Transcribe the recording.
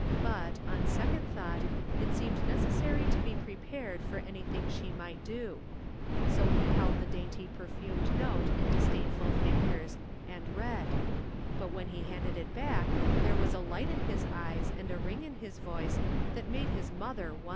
But, on second thought, it seemed neces sary to be prepared for anything she might do. So he held the dainty perfumed note in disdain ful fingers and read. But when he handed it back there was a light in his eyes and a ring in his voice that made his mother wonder.